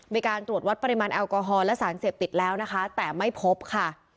มีการตรวจวัดปริมาณแอลกอฮอลและสารเสพติดแล้วนะคะแต่ไม่พบค่ะ